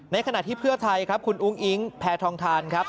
ขณะที่เพื่อไทยครับคุณอุ้งอิ๊งแพทองทานครับ